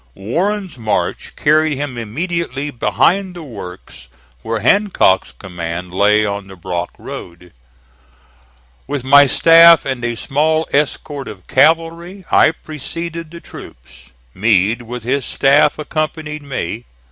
Warren's march carried him immediately behind the works where Hancock's command lay on the Brock Road. With my staff and a small escort of cavalry I preceded the troops. Meade with his staff accompanied me.